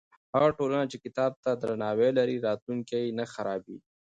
هغه ټولنه چې کتاب ته درناوی لري، راتلونکی یې نه خرابېږي.